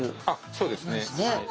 あっそうですね。